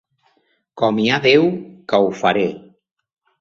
Com hi ha Déu, que ho faré!